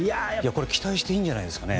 期待していいんじゃないですかね。